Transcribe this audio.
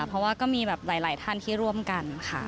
เพราะว่าก็มีแบบหลายท่านที่ร่วมกันค่ะ